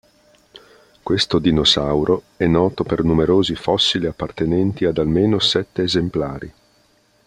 Questo dinosauro è noto per numerosi fossili appartenenti ad almeno sette esemplari.